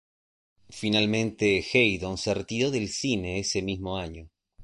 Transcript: Finalmente, Haydon se retiró del cine ese mismo año.